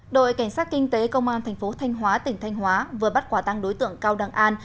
đội cảnh sát kinh tế công an thành phố thanh hóa tỉnh thanh hóa vừa bắt quả tăng đối tượng cao đăng an